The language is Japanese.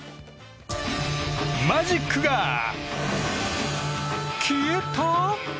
マジックが消えた？